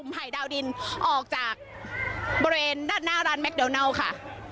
ไผ่ดาวดินออกจากบริเวณด้านหน้าร้านแมคโดนัลค่ะ